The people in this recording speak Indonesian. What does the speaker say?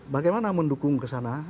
bagaimana mendukung kesana